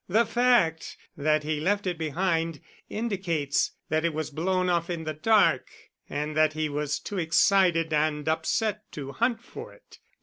The fact that he left it behind indicates that it was blown off in the dark and that he was too excited and upset to hunt for it.